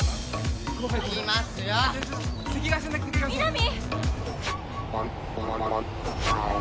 ・南！